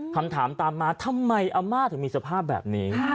คำถามตามมาทำไมอาม่าถึงมีสภาพแบบนี้